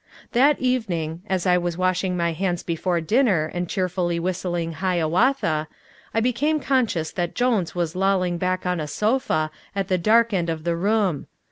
That evening, as I was washing my hands before dinner and cheerfully whistling Hiawatha, I became conscious that Jones was lolling back on a sofa at the dark end of the room.